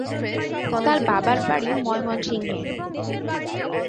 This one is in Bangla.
তার বাবার বাড়ি ময়মনসিংহে।